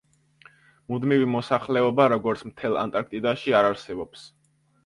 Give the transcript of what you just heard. მუდმივი მოსახლეობა, როგორც მთელ ანტარქტიდაში, არ არსებობს.